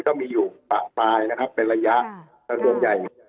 ก็มีอยู่ฝั่งปลายนะครับเป็นระยะ้ี่งแต่ส่วนใหญ่